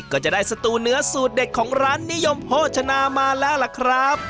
ก็จะได้สตูเนื้อสูตรเด็ดของร้านนิยมโภชนามาแล้วล่ะครับ